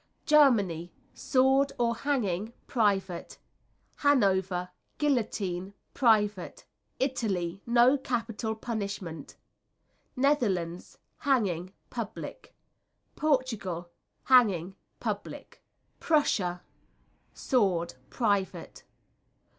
Germany Sword or hanging, private. Hanover Guillotine, private. Italy No capital punishment. Netherlands Hanging, public. Portugal Hanging, public. Prussia Sword, private.